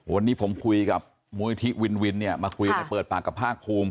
วันนี้ผมคุยกับมูลนิธิวินวินเนี่ยมาคุยในเปิดปากกับภาคภูมิ